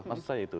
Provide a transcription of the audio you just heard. maksud saya itu